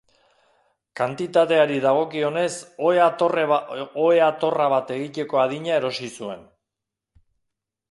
Kantitateari dagokionez, ohe-atorra bat egiteko adina erosi zuen.